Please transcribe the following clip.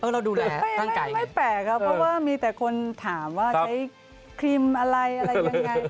เราดูแลไม่แปลกครับเพราะว่ามีแต่คนถามว่าใช้ครีมอะไรอะไรยังไง